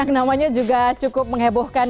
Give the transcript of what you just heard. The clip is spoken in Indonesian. yang namanya juga cukup mengebohkan